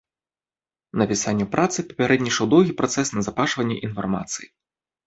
Напісанню працы папярэднічаў доўгі працэс назапашвання інфармацыі.